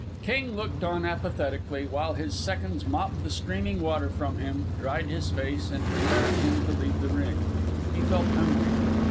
King looked on apathetically while his seconds mopped the streaming water from him, dried his face, and prepared him to leave the ring. He felt hungry.